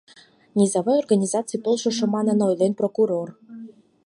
Низовой организаций полшыжо, — манын ойлен прокурор.